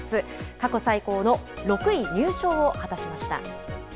過去最高の６位入賞を果たしました。